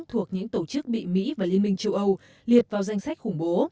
thuộc những tổ chức bị mỹ và liên minh châu âu liệt vào danh sách khủng bố